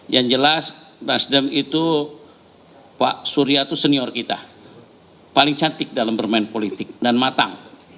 yang jelas nasdem itu pak surya itu senior kita paling cantik dalam bermain politik dan matang